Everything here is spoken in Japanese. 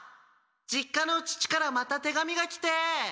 実家の父からまた手紙が来て。